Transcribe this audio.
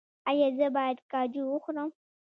ایا زه باید کاجو وخورم؟